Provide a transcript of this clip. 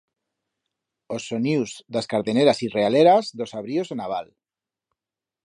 Os sonius d'as cardeneras y realeras d'os abríos en a val.